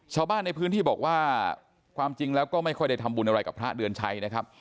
ชาวบ้านในพื้นที่บอกว่าความจริงแล้วก็ไม่ค่อยได้ทำบุญอะไรกับพระเดือนชัยนะครับ